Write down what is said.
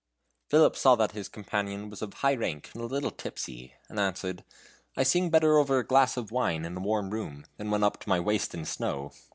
Philip saw that his companion was of high rank and a little tipsy, and answered: "I sing better over a glass of wine in a warm room, than when up to my waist in snow."